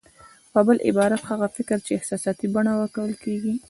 يا په بل عبارت هغه فکر چې احساساتي بڼه ورکول کېږي.